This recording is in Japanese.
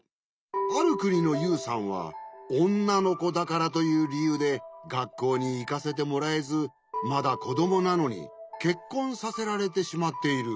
あるくにのユウさんはおんなのこだからというりゆうでがっこうにいかせてもらえずまだこどもなのにけっこんさせられてしまっている。